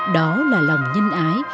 đó là lòng nhân ái